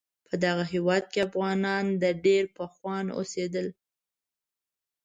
په دغه هیواد کې افغانان د ډیر پخوانه اوسیدل